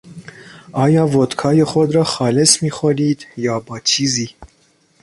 آیا ودکای خود را خالص میخورید یا با چیزی؟